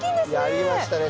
やりましたね。